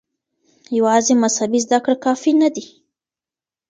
يوازې مذهبي زده کړې کافي نه دي.